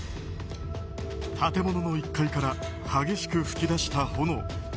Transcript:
建物の１階から激しく噴き出した炎。